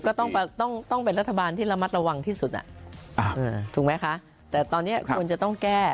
ก็ต้องต้องเป็นรัฐบาลที่ระมัดระวังที่สุดถูกไหมคะแต่ตอนนี้ควรจะต้องแก้